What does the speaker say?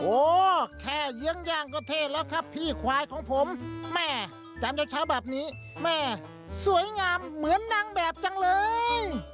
โอ้แค่เยื้องย่างก็เท่แล้วครับพี่ควายของผมแม่จำเช้าแบบนี้แม่สวยงามเหมือนนางแบบจังเลย